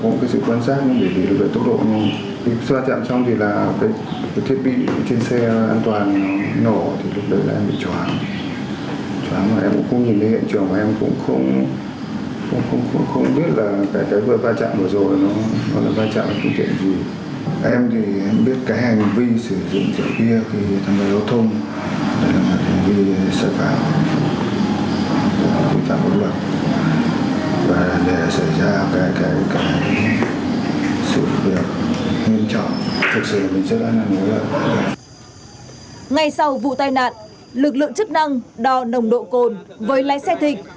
ngày sau vụ tai nạn lực lượng chức năng đo nồng độ cồn với lái xe thịnh